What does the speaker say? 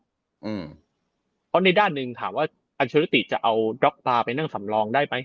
เพราะในด้านหนึ่งถามว่าอัลเชอร์ลิติจะเอาดล็อกตาไปนั่งสำรองได้ไหม